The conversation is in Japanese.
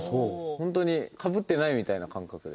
本当にかぶってないみたいな感覚で。